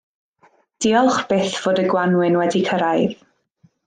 Diolch byth fod y gwanwyn wedi cyrraedd.